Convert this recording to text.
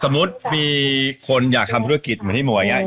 มีคนอยากทำธุรกิจเหมือนพี่หมวยอย่างนี้